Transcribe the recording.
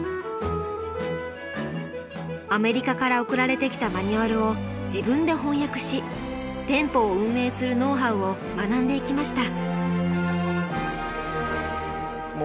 アメリカから送られてきたマニュアルを自分で翻訳し店舗を運営するノウハウを学んでいきました。